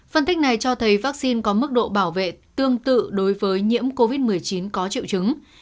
phân tích này cho thấy vaccine có mức độ bảo vệ tương tự đối với nhiễm covid một mươi chín có triệu chứng